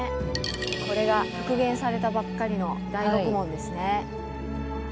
これが復元されたばっかりの大極門ですね。